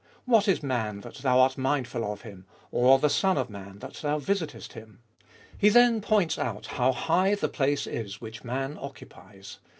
What is man that Thou art mindful of him? or the son of man that Thou visitest him? He then points out how high the place is which man occupies.